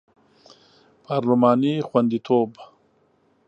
پارلماني خوندیتوب